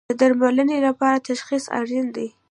د درملنې لپاره تشخیص اړین دی